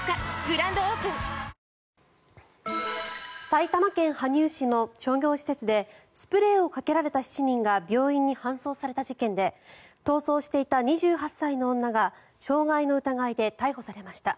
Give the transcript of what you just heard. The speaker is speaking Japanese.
埼玉県羽生市の商業施設でスプレーをかけられた７人が病院に搬送された事件で逃走していた２８歳の女が傷害の疑いで逮捕されました。